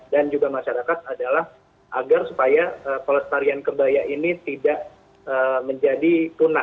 dan juga masyarakat adalah agar supaya pelestarian kebaya ini tidak menjadi tunah